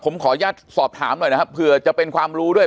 ผมขออนุญาตสอบถามหน่อยนะครับเผื่อจะเป็นความรู้ด้วย